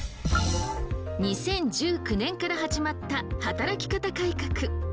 ２０１９年から始まった働き方改革。